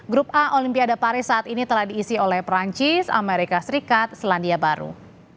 grup a olimpiade paris saat ini telah diisi oleh perancis amerika serikat selandia baru